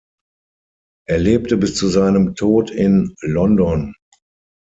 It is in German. Er lebte bis zu seinem Tod in London.